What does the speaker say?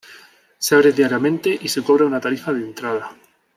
Se abre diariamente y se cobra una tarifa de entrada.